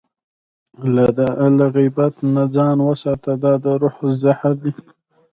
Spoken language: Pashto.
له غیبت نه ځان وساته، دا د روح زهر دی.